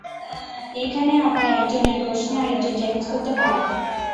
এইখানে আবার এক জনের প্রশ্নে আরেকজন চ্যালেঞ্জ করতে পারে।